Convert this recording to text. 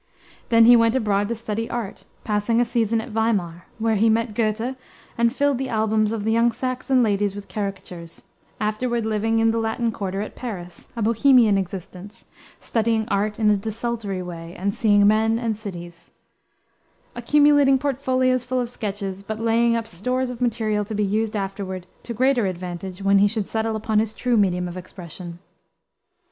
Then he went abroad to study art, passing a season at Weimar, where he met Goethe and filled the albums of the young Saxon ladies with caricatures; afterward living, in the Latin Quarter at Paris, a Bohemian existence, studying art in a desultory way, and seeing men and cities; accumulating portfolios full of sketches, but laying up stores of material to be used afterward to greater advantage when he should settle upon his true medium of expression.